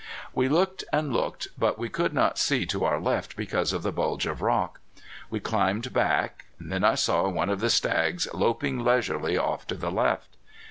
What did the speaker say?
We looked and looked. But we could not see to our left because of the bulge of rock. We climbed back. Then I saw one of the stags loping leisurely off to the left.